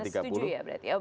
amin mes tujuh ya berarti